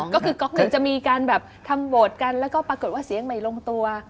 ก็คือก๊อกหนึ่งจะมีการแบบทำโหวตกันแล้วก็ปรากฏว่าเสียงใหม่ลงตัว